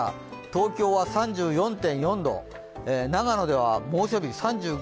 東京は３４．４度、長野では猛暑日、３５．１度。